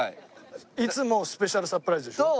いつもスペシャルサプライズでしょ？